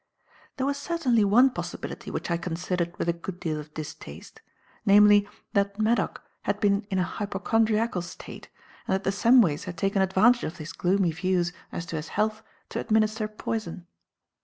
There was certainly one possibility which I considered with a good deal of distaste; namely, that Maddock had been in a hypochondriacal state and that the Samways had taken advantage of his gloomy views as to his health to administer poison.